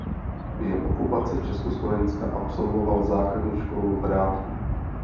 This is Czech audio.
Během okupace Československa absolvoval základní školu v Hrádku.